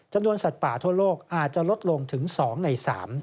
สัตว์ป่าทั่วโลกอาจจะลดลงถึง๒ใน๓